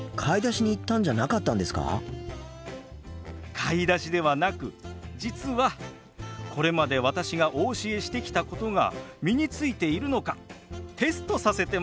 買い出しではなく実はこれまで私がお教えしてきたことが身についているのかテストさせてもらったんです。